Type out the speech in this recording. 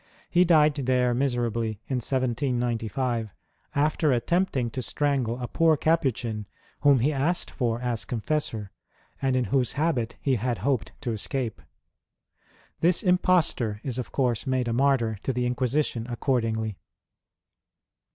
He died there miserably, in 1795, after attempting to strangle a poor Capuchin whom he asked for as confessor, and in whose habit he had hoped to escape. This impostor is of course made a martyr to the Inquisition accordingly.